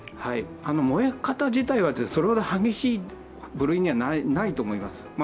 燃え方自体は、それほど激しい部類にはないと思います。